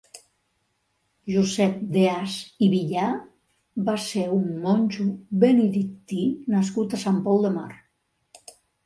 Josep Deàs i Villar va ser un monjo benedictí nascut a Sant Pol de Mar.